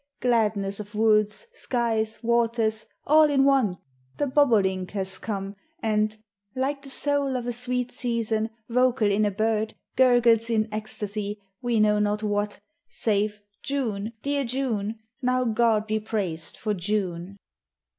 Gladness of woods, skies, waters, all in one, The bobolink has come, and, like the soul Of the sweet season vocal in a bird, Gurgles in ecstasy we know not what Save June! Dear June I Now God be praised for June!